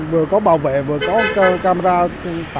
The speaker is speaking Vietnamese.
vừa có bảo vệ vừa có camera tại trường bảo đảm về an ninh trật tự tốt hơn